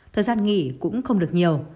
thời gian nghỉ cũng không được nhiều